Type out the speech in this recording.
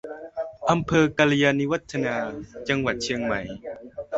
อำเภอกัลยาณิวัฒนา จังหวัดเชียงใหม่